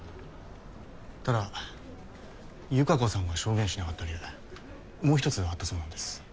ただ由香子さんが証言しなかった理由もうひとつあったそうなんです。